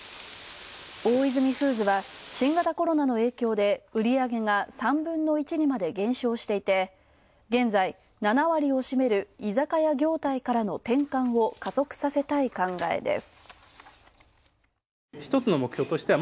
オーイズミフーズは新型コロナの影響で売り上げが３分の１にまで減少していて、現在、７割を占める居酒屋業態からの転換を加速させたい考えです。